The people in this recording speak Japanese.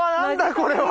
これは。